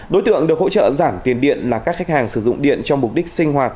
đối tượng được hỗ trợ giảm tiền điện là các khách hàng sử dụng điện cho mục đích sinh hoạt